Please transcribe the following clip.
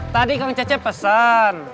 tadi kang cecep pesen